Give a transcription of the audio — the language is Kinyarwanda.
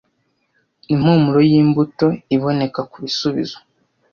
Impumuro yimbuto iboneka kubisubizo